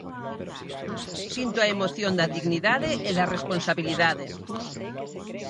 Sinto a emoción da dignidade e da responsabilidade.